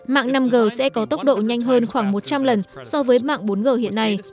mạng năm g sẽ có tốc độ nhanh hơn khoảng một trăm linh lần so với mạng bốn g hiện nay